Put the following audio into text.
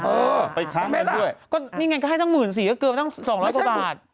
เออเอาอีกครั้งด้วยก็นี่ไงก็ให้ตั้งหมื่นสี่ก็เกินตั้งสองร้อยกว่าบาท